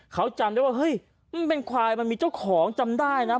เขาจำได้ว่าเฮ้ยมันเป็นควายมันมีเจ้าของจำได้นะ